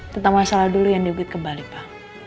tentang masalah dulu yang diugit ke bali pak